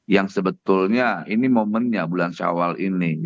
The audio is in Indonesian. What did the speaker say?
yang sebetulnya ini momennya bulan syawal ini